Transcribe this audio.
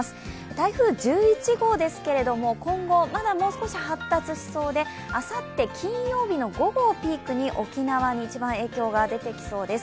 台風１１号ですけれども今後まだもう少し発達しそうであさって金曜日の午後をピークに沖縄に一番影響が出てきそうです。